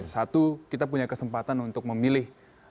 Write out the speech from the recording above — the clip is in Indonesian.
satu kita punya kesempatan untuk memilih